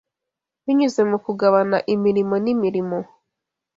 binyuze mu kugabana imirimo n’imirimo